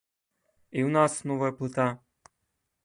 І ў нас новая плыта!